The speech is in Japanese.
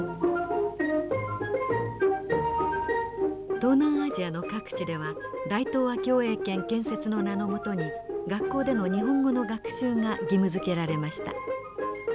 東南アジアの各地では大東亜共栄圏建設の名のもとに学校での日本語の学習が義務づけられました。